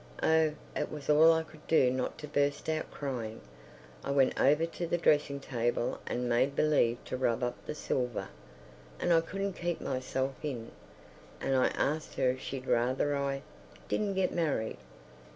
Oh, it was all I could do not to burst out crying. I went over to the dressing table and made believe to rub up the silver, and I couldn't keep myself in, and I asked her if she'd rather I... didn't get married.